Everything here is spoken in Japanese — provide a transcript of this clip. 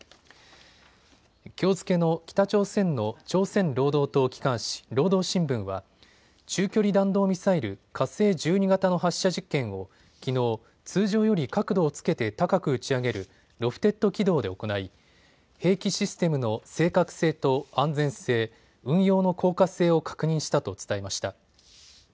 きょう付けの北朝鮮の朝鮮労働党機関紙、労働新聞は中距離弾道ミサイル、火星１２型の発射実験をきのう通常より角度をつけて高く打ち上げるロフテッド軌道で行い兵器システムの正確性と安全性、運用の効果性を確認したと伝えました。